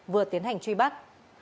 vừa tiến hành truy bắt